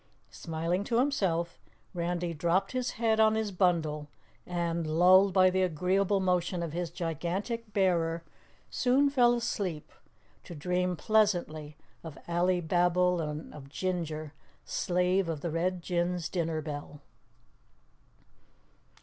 Smiling to himself, Randy dropped his head on his bundle, and lulled by the agreeable motion of his gigantic bearer, soon fell asleep, to dream pleasantly of Alibabble and of Ginger, slave of the Red Jinn's dinner bell.